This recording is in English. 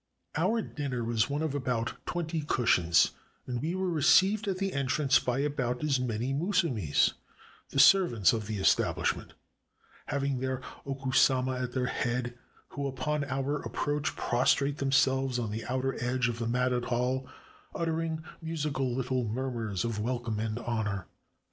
Our dinner was one of about twenty cushions, and we were received at the entrance by about as moxiy musumes — the servants of the establishment — having their oku satna at their head, who, upon our approach, prostrate themselves on the outer edge of the matted hall, uttering musical httle murmurs of welcome and honor.